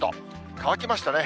乾きましたね。